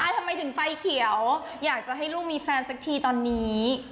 ทำไมถึงไฟเขียวอยากจะให้ลูกมีแฟนสักทีตอนนี้